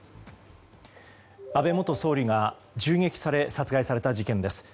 安倍元総理が銃撃され殺害された事件です。